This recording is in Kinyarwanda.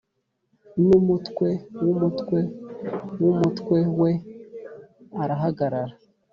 numutwe wumutwe wumutwe we arahagarara